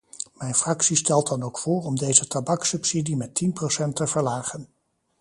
Mijn fractie stelt dan ook voor om deze tabakssubsidie met tien procent te verlagen.